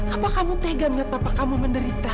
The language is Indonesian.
apakah kamu tegas lihat papa kamu menderita